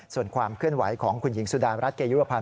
ส่วนความเคลื่อนไหวของคุณหญิงสุดารัฐเกยุรพันธ